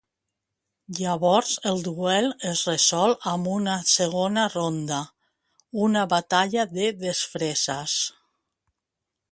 Llavors el duel es resol amb una segona ronda, una batalla de desfresses.